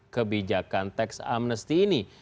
kebijakan tax amnesty ini